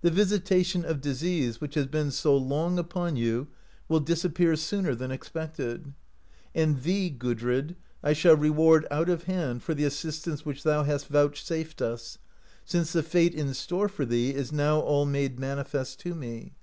The visitation of disease, which has been so long upon you, will disappear sooner tlian expected. And thee, Gudrid, I shall reward out of hand for the assistance which thou hast vouchsafed us, since the fate in store for thee is now all made manifest to me.